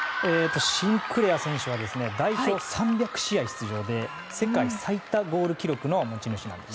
シンクレア選手は代表３００試合出場で世界最多ゴール記録の持ち主なんです。